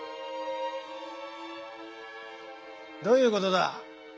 どういうことだ？